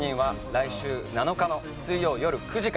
来週７日の水曜よる９時から。